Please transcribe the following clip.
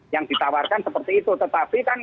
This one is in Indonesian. yang ditawarkan seperti itu tetapi kan